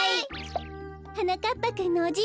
はなかっぱくんのおじい